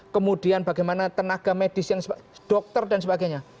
kemudian bagaimana tenaga medis yang dokter dan sebagainya